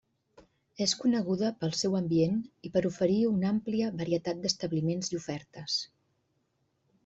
És coneguda pel seu ambient i per oferir una àmplia varietat d'establiments i ofertes.